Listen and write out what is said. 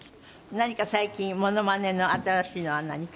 何か最近モノマネの新しいのは何か。